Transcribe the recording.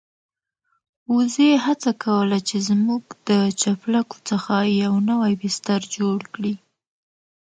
وزې هڅه کوله چې زموږ د چپلکو څخه يو نوی بستر جوړ کړي.